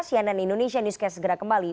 cnn indonesia newscast segera kembali